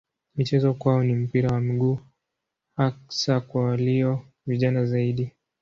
Michezo kwao ni mpira wa miguu hasa kwa walio vijana zaidi.